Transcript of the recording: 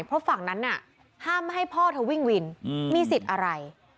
เพราะฝั่งนั้นน่ะห้ามให้พ่อเธอวิ่งวินมีสิทธิ์อะไร